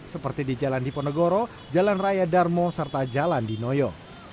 seperti di jalan diponegoro jalan raya darmo serta jalan dinoyo